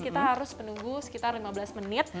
kita harus menunggu sekitar lima belas menit